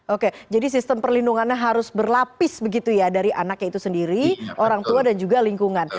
oke jadi sistem perlindungannya harus berlapis begitu ya dari anaknya itu sendiri orang tua dan juga lingkungan